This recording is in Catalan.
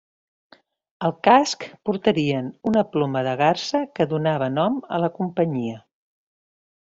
Al casc, portarien una ploma de garsa que donava nom a la companyia.